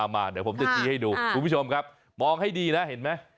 มาเดี๋ยวผมจะชี้ให้ดูคุณผู้ชมครับมองให้ดีนะเห็นไหม